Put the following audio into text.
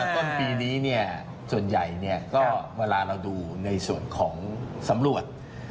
ต้นปีนี้ส่วนใหญ่ก็เวลาเราดูในส่วนของสำรวจ